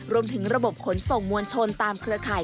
รวมถึงระบบขนส่งมวลชนตามเครือข่าย